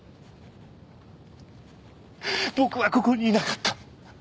僕はここにいなかった。